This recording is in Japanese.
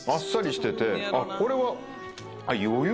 これは。